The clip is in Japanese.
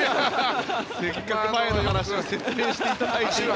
せっかく前の話を説明していたのに。